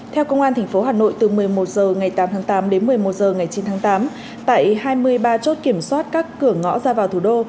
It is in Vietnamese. theo công an tp hà nội từ một mươi một h ngày tám tháng tám đến một mươi một h ngày chín tháng tám tại hai mươi ba chốt kiểm soát các cửa ngõ ra vào thủ đô